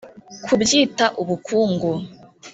Kubyita ubukungu